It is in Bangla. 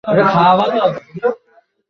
কারুর সঙ্গেই বিবাদে আবশ্যক নাই।